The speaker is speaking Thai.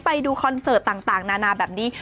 ไปดูคอนเสิร์ตต่างนานาแบบนี้